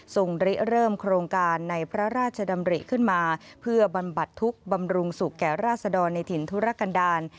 ริเริ่มโครงการในพระราชดำริขึ้นมาเพื่อบำบัดทุกข์บำรุงสุขแก่ราษดรในถิ่นธุรกันดาล